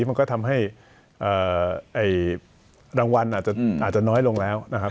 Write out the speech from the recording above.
มันก็ทำให้รางวัลอาจจะน้อยลงแล้วนะครับ